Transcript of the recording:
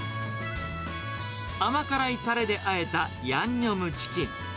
甘辛いたれであえたヤンニョムチキン。